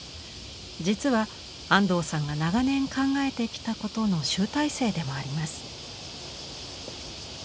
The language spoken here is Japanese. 実は安藤さんが長年考えてきたことの集大成でもあります。